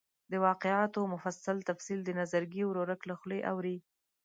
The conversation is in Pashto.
د واقعاتو مفصل تفصیل د نظرګي ورورک له خولې اوري.